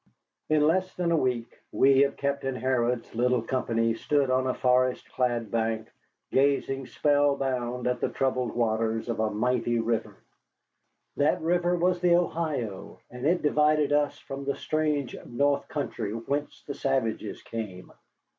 In less than a week we of Captain Harrod's little company stood on a forest clad bank, gazing spellbound at the troubled waters of a mighty river. That river was the Ohio, and it divided us from the strange north country whence the savages came.